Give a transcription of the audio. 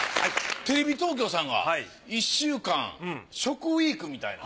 テレビ東京さんが１週間食ウィークみたいな。